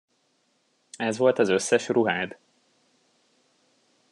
Ez volt az összes ruhád?